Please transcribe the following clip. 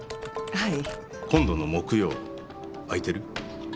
はい？